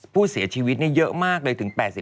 ผู้เสียชีวิตเยอะมากเลยถึง๘๐